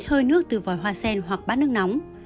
hơi nước từ vòi hoa sen hoặc bát nước nóng